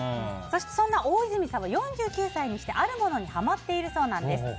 そんな大泉さんは４９歳にしてあるものにハマっているそうなんです。